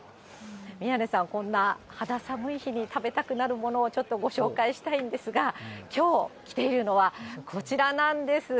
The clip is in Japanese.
宮根さん、こんな肌寒い日に食べたくなるものをちょっとご紹介したいんですが、きょう来ているのは、こちらなんです。